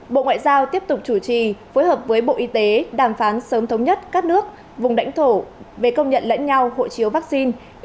bộ ngoại giao tiếp tục chủ trì phối hợp với bộ y tế đàm phán sớm thống nhất các nước vùng lãnh thổ về công nhận lẫn nhau hộ chiếu vaccine